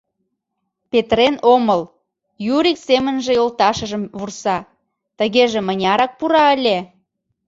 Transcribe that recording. «Петырен омыл, — Юрик семынже йолташыжым вурса, — Тыгеже мынярак пура ыле?